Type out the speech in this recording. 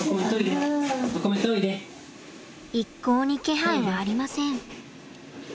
一向に気配はありません。